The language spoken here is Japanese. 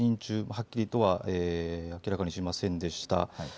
はっきりとは明らかにしませんでした。